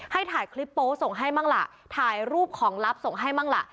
ถ่ายคลิปโป๊ส่งให้มั่งล่ะถ่ายรูปของลับส่งให้มั่งล่ะ